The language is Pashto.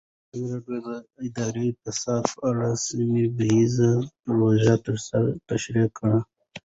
ازادي راډیو د اداري فساد په اړه سیمه ییزې پروژې تشریح کړې.